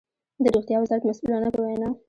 د روغتيا وزارت مسؤلانو په وينا